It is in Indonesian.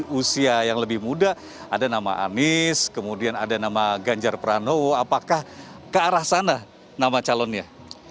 tentu kalau di usia yang lebih muda ada nama anis kemudian ada nama ganjar prano apakah kearah sana nama calonnya